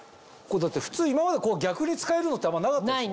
普通今まで逆に使えるのってあんまなかったでしょ。